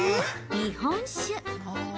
日本酒。